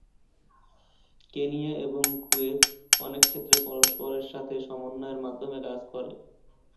Kenya এবং Kuwait অনেক ক্ষেত্রে পরস্পরের সাথে সমন্বয়ের মাধ্যমে কাজ করে।